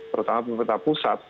terutama pemerintah pusat